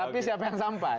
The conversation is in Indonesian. tapi siapa yang sampai